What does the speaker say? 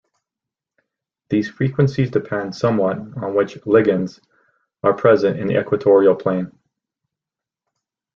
These frequencies depend somewhat on which ligands are present in the equatorial plane.